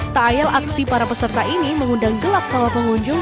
taayal aksi para peserta ini mengundang gelap kalau pengunjung